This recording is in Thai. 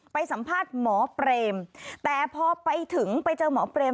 ไปสัมภาษณ์หมอเบรม